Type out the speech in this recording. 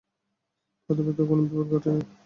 প্রতাপের তো কোন বিপদ ঘটে নাই।